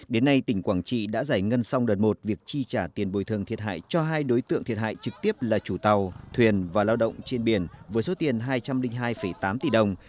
đến nay tỉnh quảng trị đã giải ngân xong đợt một việc chi trả tiền bồi thường thiệt hại cho hai đối tượng thiệt hại trực tiếp là chủ tàu thuyền và lao động trên biển với số tiền hai trăm linh hai tám tỷ đồng